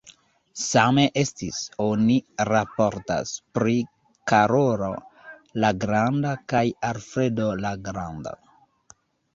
Same estis, oni raportas, pri Karolo la Granda kaj Alfredo la Granda.